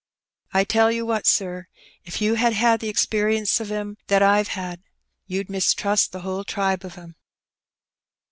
I 164 Her Benny. « tell you what, sir, if you had had the experience of *em that IVe had, you^d mistrust the whole tribe of 'em.''